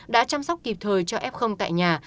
đã chăm sóc kịp thời cho f tại nhà